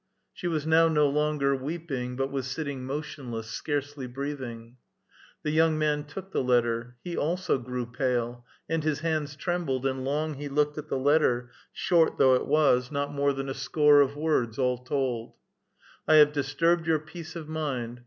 She was now no longer weeping, but was sitting motionless, scarcely breathing. The young man took the letter. He also grew pale, and his hands trembled, and long he looked at the letter, short though it was, not more than a score of words all told :—" 1 have disturbed your peace of mind.